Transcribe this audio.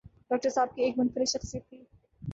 Doctor صاحب کی ایک منفرد شخصیت تھی۔